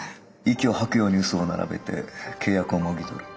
息を吐くように嘘を並べて契約をもぎ取る。